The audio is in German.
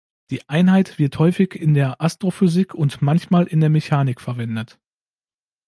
Die Einheit wird häufig in der Astrophysik und manchmal in der Mechanik verwendet.